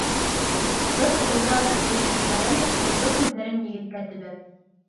Ҡыҙ сылтыратып көлөп ебәрә лә, нурлы күҙҙәрен егеткә төбәп: